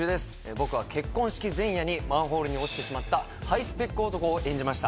僕は結婚式前夜にマンホールに落ちてしまったハイスペック男を演じました。